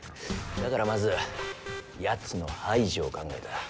だからまず奴の排除を考えた。